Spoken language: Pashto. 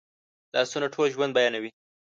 لاسونه ټول ژوند بیانوي